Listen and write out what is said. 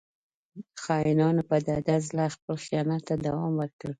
• خاینانو په ډاډه زړه خپل خیانت ته دوام ورکړ.